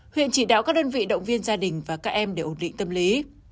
huyện chỉ đạo các đơn vị động viên gia đình và các em để ổn định tâm lý